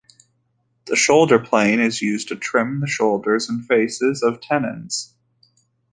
The shoulder plane is used to trim the shoulders and faces of tenons.